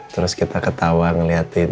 terus kita ketawa ngeliatin